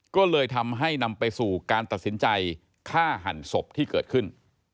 ก็เลยทำให้นำไปสู่การตัดสินใจฆ่าหันศพที่เกิดขึ้น